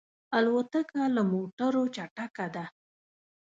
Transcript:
الوتکه له موټرو چټکه ده.